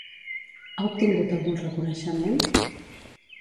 Ha obtingut algun reconeixement?